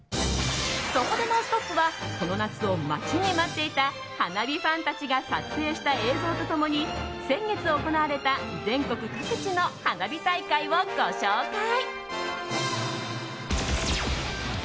そこで「ノンストップ！」はこの夏を待ちに待っていた花火ファンたちが撮影した映像と共に先月行われた全国各地の花火大会をご紹介。